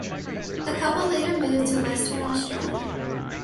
The couple later moved to Western Australia.